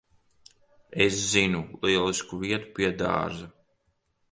Es zinu lielisku vietu. Pie dārza.